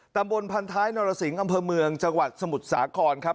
ตำบลพันท้ายนรสิงห์อำเภอเมืองจังหวัดสมุทรสาครครับ